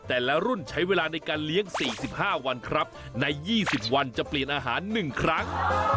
แต่ละรุ่นใช้เวลาในการเลี้ยงสี่สิบห้าวันครับในยี่สิบวันจะเปลี่ยนอาหารหนึ่งครั้ง